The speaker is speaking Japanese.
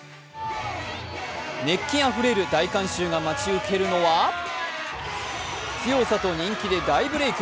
熱気あふれる大観衆が待ち受けるのは、強さと人気で大ブレイク。